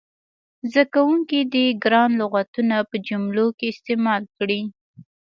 زده کوونکي دې ګران لغتونه په جملو کې استعمال کړي.